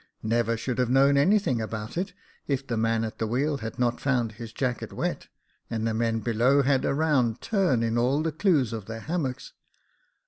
Never should have known any thing about it, if the man at the wheel had not found his jacket wet, and the men below had a round turn in all the clues of their hammocks."